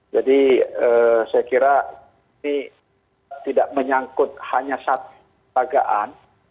jadi saya kira ini tidak menyangkut hanya satu pagaan